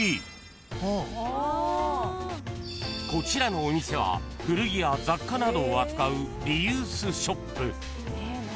［こちらのお店は古着や雑貨などを扱うリユースショップ］